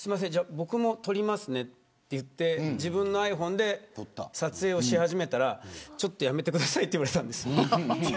僕も撮りますねって言って自分のｉＰｈｏｎｅで撮影し始めたらちょっとやめてくださいって言われたんです。